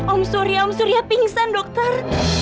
om surya om surya pingsan dokter